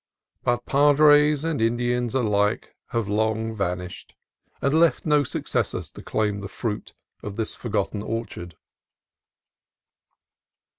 But padres and Indians alike have long vanished, and left no successors to claim the fruit of this forgotten orchard.